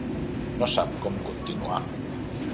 No sap com continuar.